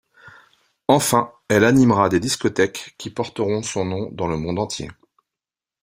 Enfin, elle animera des discothèques qui porteront son nom dans le monde entier.